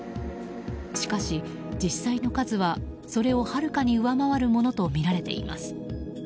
しかし、実際の数はそれをはるかに上回るものとみられています。